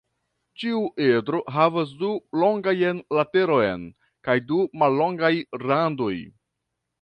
Ĉiu edro havas du longajn laterojn kaj du mallongaj randoj.